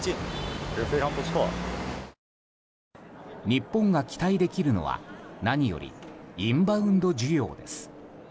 日本が期待できるのは何よりインバウンド需要です。